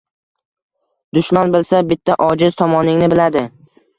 Dushman bilsa bitta ojiz tomoningni biladi.